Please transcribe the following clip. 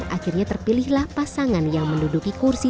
akhirnya terpilihlah pasangan yang menduduki kursi